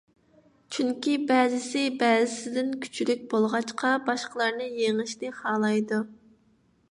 چۈنكى، بەزىسى بەزىسىدىن كۈچلۈك بولغاچقا، باشقىلارنى يېڭىشنى خالايدۇ.